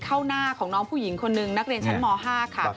หน้าของน้องผู้หญิงคนนึงนักเรียนชั้นม๕ค่ะ